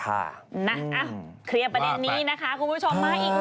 เคลียร์ประเด็นนี้นะคะคุณผู้ชมมาอีกหนึ่ง